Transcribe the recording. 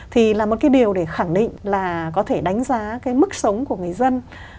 thì là một cái điều để khẳng định là có thể đánh giá cái mức sống của người dân